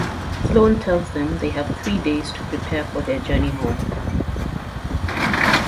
Sloane tells them they have three days to prepare for their journey home.